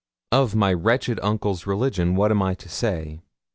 Of my wretched uncle's religion what am I to say?